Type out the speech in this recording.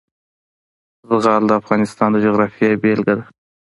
زغال د افغانستان د جغرافیې بېلګه ده.